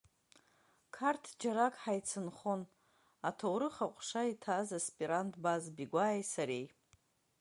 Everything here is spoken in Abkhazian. Қарҭ џьарак ҳаицынхон аҭоурых аҟәша иҭаз аспирант Баз Бигәааи сареи.